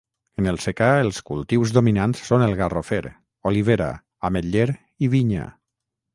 En el secà els cultius dominants són el garrofer, olivera, ametller i vinya.